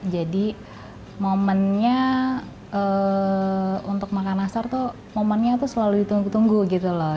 jadi momennya untuk makan nastar tuh selalu ditunggu tunggu gitu loh